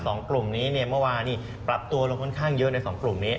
สองกลุ่มนี้เนี่ยเมื่อวานนี้ปรับตัวลงค่อนข้างเยอะในสองกลุ่มนี้